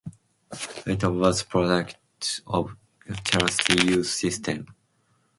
Lita was a product of the Chelsea youth system.